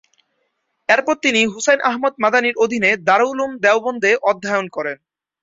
এরপর তিনি হুসাইন আহমদ মাদানির অধীনে দারুল উলুম দেওবন্দে অধ্যয়ন করেন।